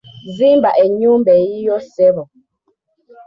Zimba ennyumba eyiyo ssebo.